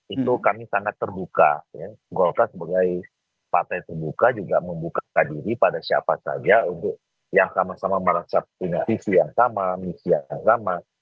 itu kami sangat terbuka golkar sebagai partai terbuka juga membukakan diri pada siapa saja untuk yang sama sama merasa punya visi yang sama misi yang sama